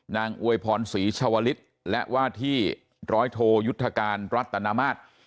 อวยพรศรีชาวลิศและว่าที่ร้อยโทยุทธการรัตนมาตร